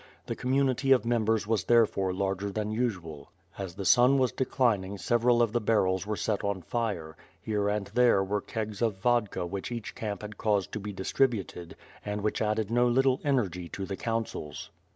The community of members was therefore larger than usual. As the sun was declining several of the barrels were set on fire; here and there were kegs of vodka which each camp had caused to be distributed, and which WITH FIRE AXD SWORD. • 131 added no little energy to the councils.